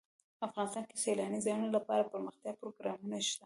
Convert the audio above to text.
افغانستان کې د سیلانی ځایونه لپاره دپرمختیا پروګرامونه شته.